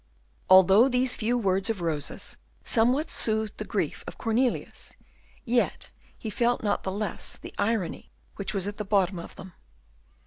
Although these few words of Rosa's somewhat soothed the grief of Cornelius, yet he felt not the less the irony which was at the bottom of them.